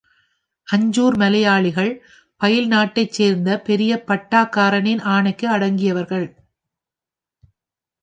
அஞ்சூர் மலையாளிகள் பயில் நாட்டைச் சேர்ந்த பெரிய பட்டக்காரனின் ஆணைக்கு அடங்கியவர்கள்.